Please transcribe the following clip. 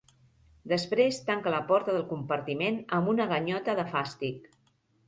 Després tanca la porta del compartiment amb una ganyota de fàstic.